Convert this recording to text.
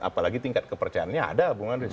apalagi tingkat kepercayaannya ada